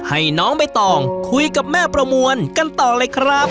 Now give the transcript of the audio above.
ให้น้องใบตองคุยกับแม่ประมวลกันต่อเลยครับ